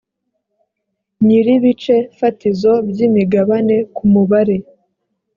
nyir ibice fatizo by imigabane ku mubare